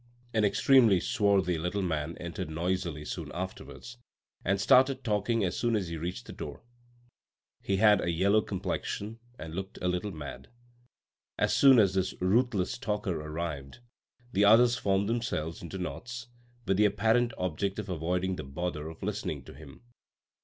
An extremely swarthy little man entered noisily soon afterwards and started talking as soon as he reached the door. He had a yellow complexion and looked a little mad. As soon as this ruthless talker arrived, the others formed them selves into knots with the apparent object of avoiding the bother of listening to him.